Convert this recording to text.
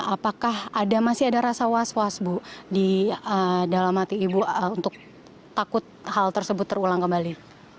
apakah masih ada rasa was was bu di dalam hati ibu untuk takut hal tersebut terulang kembali